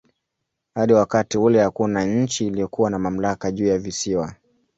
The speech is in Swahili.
Hadi wakati ule hakuna nchi iliyokuwa na mamlaka juu ya visiwa.